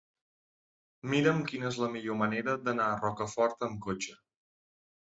Mira'm quina és la millor manera d'anar a Rocafort amb cotxe.